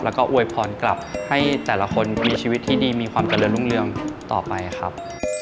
แล้วก็อวยพรกลับให้แต่ละคนมีชีวิตที่ดีมีความเจริญรุ่งเรืองต่อไปครับ